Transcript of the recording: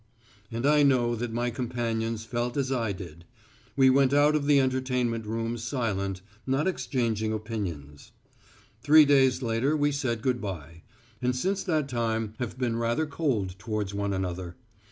And I know that my companions felt as I did. We went out of the entertainment room silent, not exchanging opinions. Three days later we said good bye, and since that time have been rather cold towards one another.